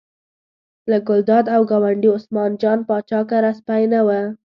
له ګلداد او ګاونډي عثمان جان پاچا کره سپی نه و.